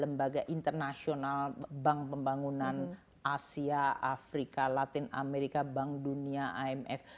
lembaga internasional bank pembangunan asia afrika latin amerika bank dunia imf